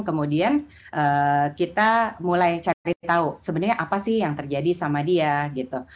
kemudian kita mulai cari tahu sebenarnya apa sih yang terjadi sama dia gitu